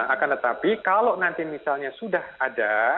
akan tetapi kalau nanti misalnya sudah ada